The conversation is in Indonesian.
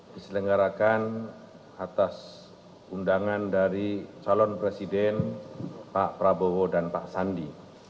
diselenggarakan atas undangan dari calon presiden pak prabowo dan pak sandi